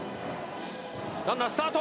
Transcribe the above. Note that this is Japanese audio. ランナースタート！